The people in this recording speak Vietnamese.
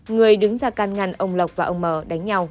người đứng ra can ngăn ông lộc và ông m đánh nhau